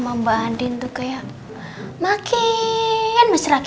hai captur moeten engkau kelly